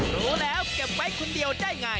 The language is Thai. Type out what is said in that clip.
รู้แล้วเก็บไว้คนเดียวได้ไง